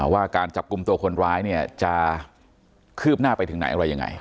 ว่าการจับกลุ่มตัวคนร้ายเนี่ยจะคืบหน้าไปถึงไหนอะไรยังไง